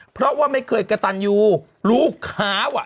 เพราะว่าไม่เคยกระตันยูลูกค้าอ่ะ